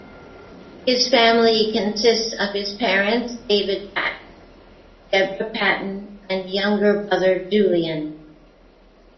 His family consists of his parents David Patton, Deborah Patton and younger brother Julian.